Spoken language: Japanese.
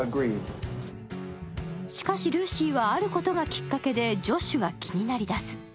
しかしルーシーはあることがきっかけでジョッシュが気になりだす。